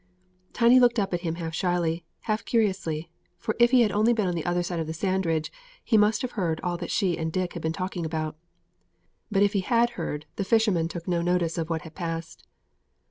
Tiny looked up at him half shyly, half curiously, for if he had only been on the other side of the sand ridge, he must have heard all she and Dick had been talking about. But if he had heard the fisherman took no notice of what had passed.